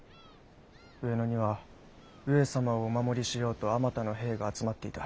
上野には上様をお守りしようとあまたの兵が集まっていた。